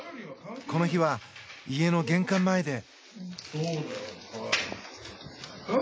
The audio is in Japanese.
この日は家の玄関前で。